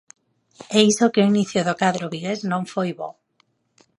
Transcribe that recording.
E iso que o inicio do cadro vigués non foi bo.